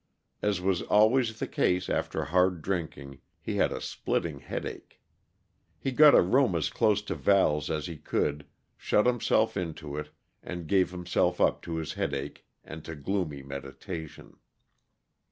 As was always the case after hard drinking, he had a splitting headache. He got a room as close to Val's as he could, shut himself into it, and gave himself up to his headache and to gloomy meditation.